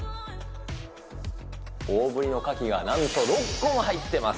大ぶりのカキがなんと６個も入ってます。